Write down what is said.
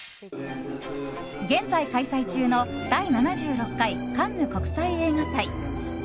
現在開催中の第７６回カンヌ国際映画祭。